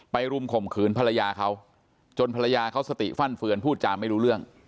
รุมข่มขืนภรรยาเขาจนภรรยาเขาสติฟั่นเฟือนพูดจาไม่รู้เรื่อง